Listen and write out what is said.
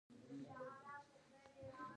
دوی غواړي چې د تیرې پیړۍ سپکاوی جبران کړي.